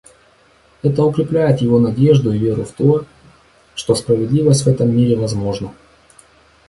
Это укрепляет его надежду и веру в то, что справедливость в этом мире возможна.